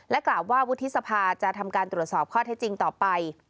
กล่าวว่าวุฒิสภาจะทำการตรวจสอบข้อเท็จจริงต่อไป